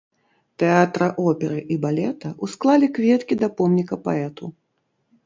Тэатра оперы і балета, усклалі кветкі да помніка паэту.